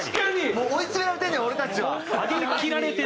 もう追い詰められてんのや俺たちは。